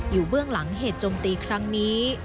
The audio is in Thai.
เบื้องหลังเหตุจมตีครั้งนี้